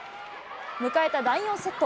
迎えた第４セット。